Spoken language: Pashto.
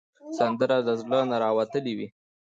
سندره له زړه نه راوتلې وي